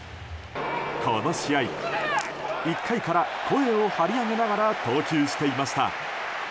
この試合１回から声を張り上げながら投球していました。